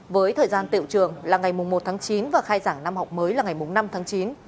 với thời gian tiệu trường là ngày một tháng chín và khai giảng năm học mới là ngày năm tháng chín